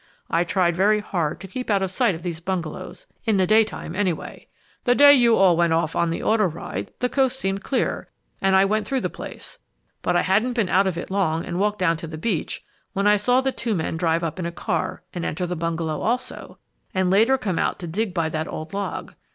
I tried very hard to keep out of sight of these bungalows, in the daytime, anyway. The day you all went off on the auto ride the coast seemed clear, and I went through the place. But I hadn't been out of it long and walked down to the beach, when I saw the two men drive up in a car and enter the bungalow also, and later come out to dig by that old log.